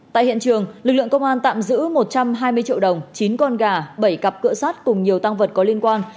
tại hiện trường lực lượng công an tạm giữ một trăm hai mươi triệu đồng chín con gà bảy cặp cửa sát cùng nhiều tăng vật có liên quan